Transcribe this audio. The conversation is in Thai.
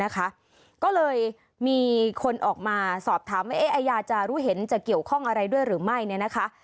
ก็เลยมีคนออกมาสอบถามว่าอาญาจะรู้เห็นจะเกี่ยวข้องอะไรด้วยหรือไม่เนี่ยนะคะ